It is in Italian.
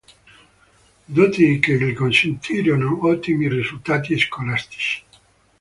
Doti che gli consentirono ottimi risultati scolastici.